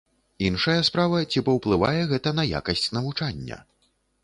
Іншая справа, ці паўплывае гэта на якасць навучання?